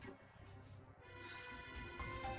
deja gak tau mana jalan pulang